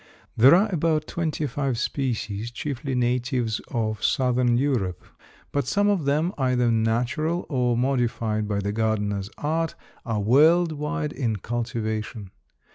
There are about twenty five species, chiefly natives of southern Europe, but some of them, either natural or modified by the gardener's art, are world wide in cultivation.